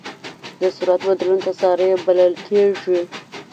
د سرعت بدلون تسارع بلل کېږي.